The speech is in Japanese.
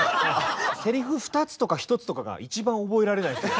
せりふ２つとか１つとかが一番覚えられないんですよ。